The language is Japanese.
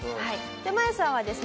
マヤさんはですね